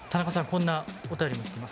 こんなお便りがきています。